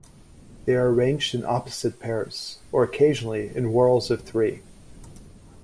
They are arranged in opposite pairs or occasionally in whorls of three.